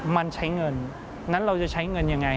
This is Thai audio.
มันใช้เงินนั้นเราจะใช้เงินยังไง